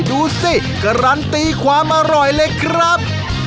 ดูสิการันตีความอร่อยเลยครับ